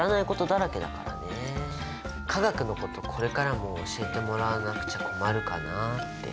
化学のことこれからも教えてもらわなくちゃ困るかなって。